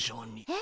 え？